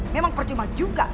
memang percuma juga